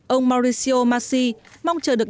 ông mauricio maxi mong chờ được đón gặp